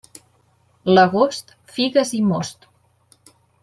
L'agost, figues i most.